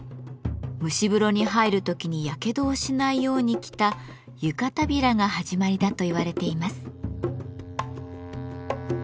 蒸し風呂に入る時にやけどをしないように着た「湯帷子」が始まりだと言われています。